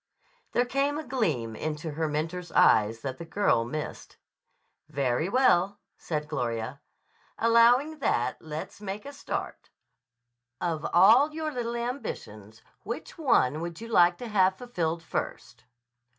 There came a gleam into her mentor's eye that the girl missed. "Very well," said Gloria. "Allowing that, let's make a start. Of all your little ambitions which one would you like to have fulfilled first?"